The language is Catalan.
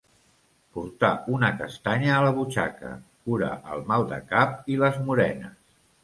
Portar una castanya a la butxaca, cura el mal de cap i les morenes.